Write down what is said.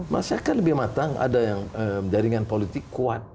masyarakat lebih matang ada yang jaringan politik kuat